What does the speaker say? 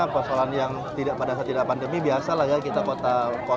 persoalan yang pada saat tidak pandemi biasa lah ya kita kota